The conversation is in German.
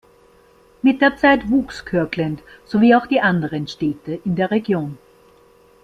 Mit der Zeit wuchs Kirkland, so wie auch die anderen Städte in der Region.